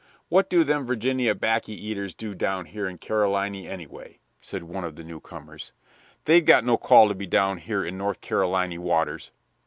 "What do them Virginny 'baccy eaters do down here in Caroliny, anyway?" said one of the newcomers. "They've got no call to be down here in North Caroliny waters."